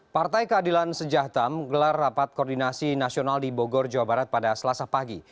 partai keadilan sejahtam gelar rapat koordinasi nasional di bogor jawa barat pada selasa pagi